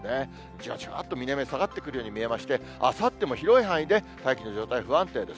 じわじわっと南に下がってくるように見えまして、あさっても広い範囲で、大気の状態、不安定です。